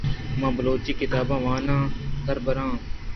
من بلوچی کتاباں وان آن ءُ دربر آں۔